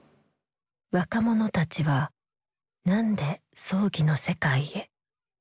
若者たちは何で葬儀の世界へ。